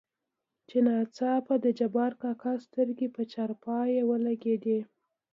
چې ناڅاپه دجبارکاکا سترګې په چارپايي ولګېدې.